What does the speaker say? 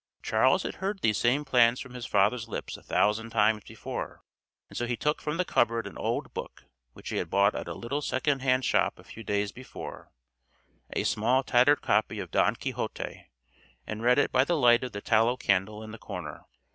Charles had heard these same plans from his father's lips a thousand times before, and so he took from the cupboard an old book which he had bought at a little second hand shop a few days before, a small tattered copy of "Don Quixote," and read it by the light of a tallow candle in the corner.